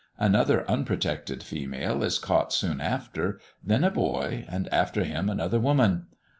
Another unprotected female is caught soon after, then a boy, and after him another woman.